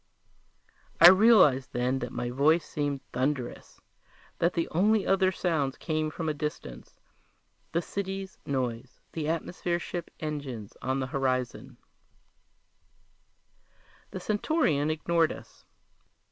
I realized then that my voice seemed thunderous, that the only other sounds came from a distance: the city's noise, the atmosphere ships' engines on the horizon The Centaurian ignored us.